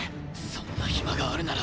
そんなヒマがあるなら。